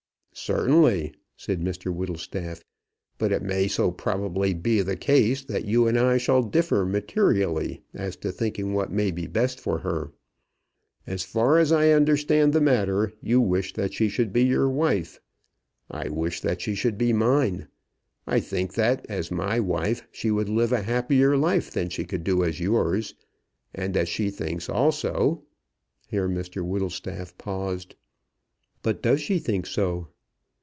"Certainly," said Mr Whittlestaff. "But it may so probably be the case that you and I shall differ materially as to thinking what may be best for her. As far as I understand the matter, you wish that she should be your wife. I wish that she should be mine. I think that as my wife she would live a happier life than she could do as yours; and as she thinks also " Here Mr Whittlestaff paused. "But does she think so?"